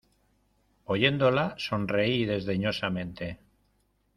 oyéndola, sonreí desdeñosamente.